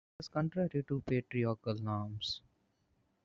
This was contrary to patriarchal norms.